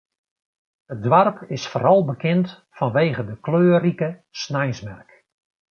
It doarp is foaral bekend fanwege de kleurrike sneinsmerk.